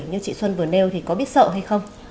như chị xuân vừa nêu thì có biết sợ hay không